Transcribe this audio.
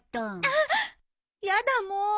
あっやだもう。